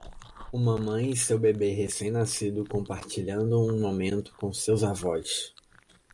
Uma mãe e seu bebê recém-nascido compartilhando um momento com seus avós.